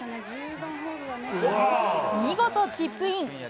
見事チップイン。